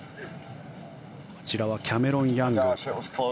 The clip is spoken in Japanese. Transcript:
こちらはキャメロン・ヤング。